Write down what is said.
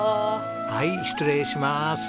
はい失礼します。